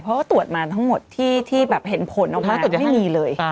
เพราะว่าตรวจมาทั้งหมดที่แบบเห็นผลออกมาจนไม่มีเลย